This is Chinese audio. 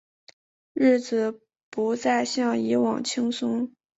日子不再像以往轻松